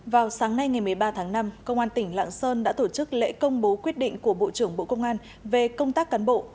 vào sáng nay ngày một mươi ba tháng năm công an tỉnh lạng sơn đã tổ chức lễ công bố quyết định của bộ trưởng bộ công an về công tác cán bộ